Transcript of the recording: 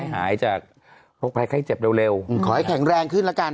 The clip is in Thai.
หายจากโรคภัยไข้เจ็บเร็วขอให้แข็งแรงขึ้นแล้วกัน